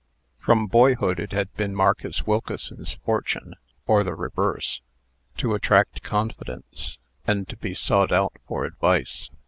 From boyhood, it had been Marcus Wilkeson's fortune (or the reverse) to attract confidence, and to be sought out for advice.